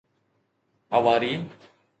اواري